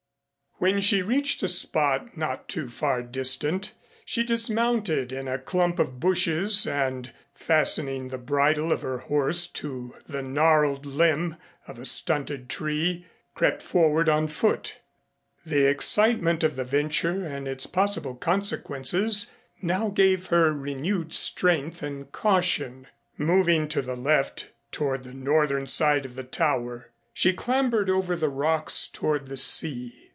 When she reached a spot not too far distant, she dismounted in a clump of bushes and fastening the bridle of her horse to the gnarled limb of a stunted tree, crept forward on foot. The excitement of the venture and its possible consequences now gave her renewed strength and caution. Moving to the left, toward the northern side of the Tower, she clambered over the rocks toward the sea.